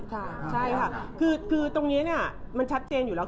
ใช่ค่ะคือตรงนี้เนี่ยมันชัดเจนอยู่แล้ว